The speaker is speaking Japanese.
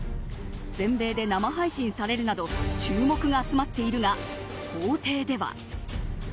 全米で生配信されるなど注目が集まっているが法廷では。